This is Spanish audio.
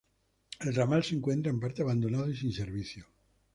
El ramal se encuentra en parte abandonado y sin servicio.